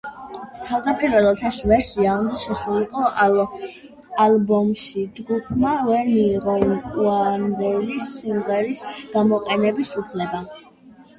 თავდაპირველად ეს ვერსია უნდა შესულიყო ალბომში, ჯგუფმა ვერ მიიღო უანდერის სიმღერის გამოყენების უფლება.